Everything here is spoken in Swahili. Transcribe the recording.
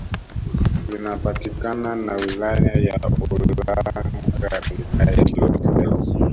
Linapakana na wilaya ya Ulanga na wilaya ya Kilombero